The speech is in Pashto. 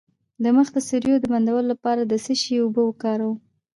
د مخ د سوریو د بندولو لپاره د څه شي اوبه وکاروم؟